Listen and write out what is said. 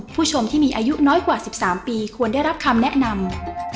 ผู้ชมที่มีอายุน้อยกว่า๑๓ปีควรได้รับคำแนะนำ